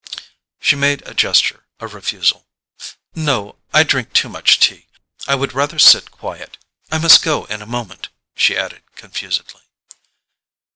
She made a gesture of refusal. "No: I drink too much tea. I would rather sit quiet—I must go in a moment," she added confusedly.